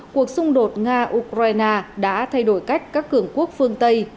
cuộc xung đột nga ukraine đã thay đổi cách các cường quốc phương tây